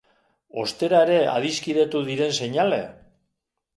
Ostera ere adiskidetu diren seinale?